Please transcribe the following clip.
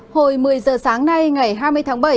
hồi một mươi giờ sáng nay ngày hai mươi tháng bảy